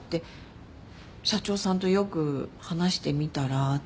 社長さんとよく話してみたらって。